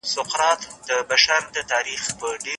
که غصه کوونکی له پامه وغورځول سي.